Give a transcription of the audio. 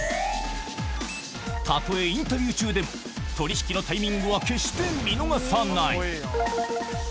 たとえインタビュー中でも、取り引きのタイミングは決して見逃さない。